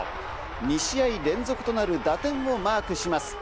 ２試合連続となる打点をマークします。